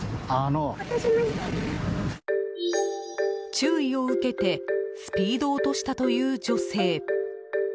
注意を受けてスピードを落としたという女性。